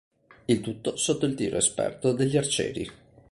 Il tutto sotto il tiro esperto degli arcieri.